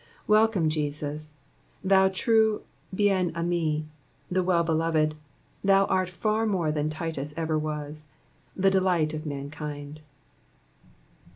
Welcome Jesus, thou true Bien aime^ the Well beloved, thou art far more than Titus ever was — the Delight of Mankind.